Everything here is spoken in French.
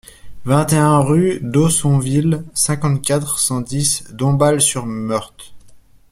vingt et un rue d'Haussonville, cinquante-quatre, cent dix, Dombasle-sur-Meurthe